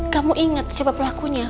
kamu ingat siapa pelakunya